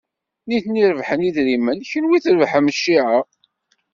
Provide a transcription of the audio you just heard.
Nitni rebḥen idrimen, kenwi trebḥem cciɛa.